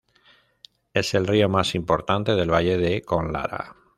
Es el río más importante del Valle de Conlara.